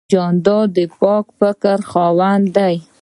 جانداد د پاک فکر خاوند دی.